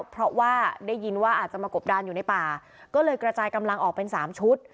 เพราะว่าได้ยินว่าอาจจะมากบดานอยู่ในป่าก็เลยกระจายกำลังออกเป็น๓ชุด